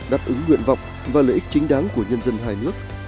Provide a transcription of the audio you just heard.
đáp ứng nguyện vọng và lợi ích chính đáng của nhân dân hai nước